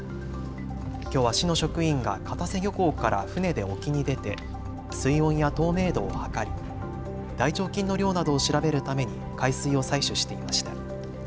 きょうは市の職員が片瀬漁港から船で沖に出て水温や透明度を測り、大腸菌の量などを調べるために海水を採取していました。